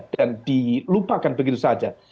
dan dilupakan begitu saja